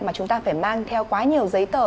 mà chúng ta phải mang theo quá nhiều giấy tờ